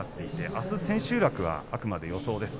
あす千秋楽は、あくまで予想です。